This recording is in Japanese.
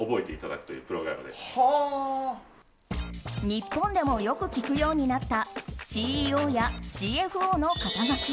日本でもよく聞くようになったＣＥＯやＣＦＯの肩書。